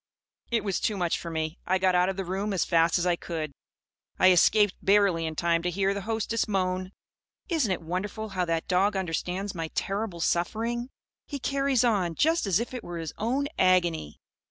It was too much for me. I got out of the room as fast as I could. I escaped barely in time to hear the hostess moan: "Isn't it wonderful how that dog understands my terrible suffering? He carries on, just as if it were his own agony!"